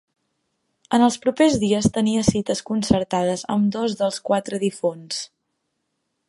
En els propers dies tenia cites concertades amb dos dels quatre difunts.